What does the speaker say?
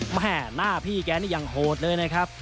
แม่หน้าพี่แกนี่ยังโหดเลยนะครับ